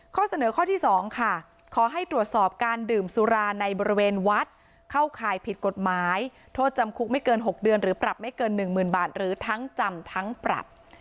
ข้อเสนอข้อที่๒ค่ะขอให้ตรวจสอบการดื่มสุราในบริเวณวัดเข้าข่ายผิดกฎหมายโทษจำคุกไม่เกิน๖เดือนหรือปรับไม่เกิน๑๐๐๐บาทหรือทั้งจำทั้งปรับ